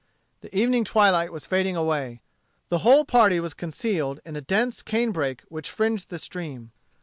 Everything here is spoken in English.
The evening twilight was fading away. The whole party was concealed in a dense canebrake which fringed the stream.